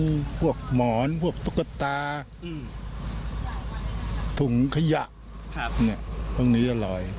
ที่ลอยมีพวกหมอนพวกตุ๊กตาอืมถุงขยะครับเนี้ยตรงนี้จะลอย